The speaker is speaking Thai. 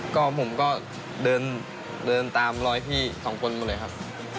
ก็ผมก็เดินตามรอยพี่สองคนมาเลยครับ